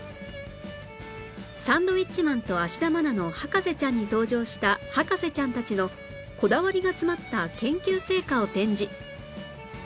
『サンドウィッチマン＆芦田愛菜の博士ちゃん』に登場した博士ちゃんたちのこだわりが詰まった研究成果を展示